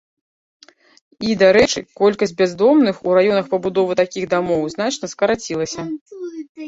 І, дарэчы, колькасць бяздомных у раёнах пабудовы такіх дамоў значна скарацілася.